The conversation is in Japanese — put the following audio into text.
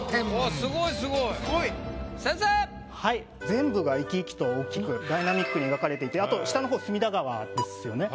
全部が生き生きと大きくダイナミックに描かれていてあと下の方隅田川ですよね。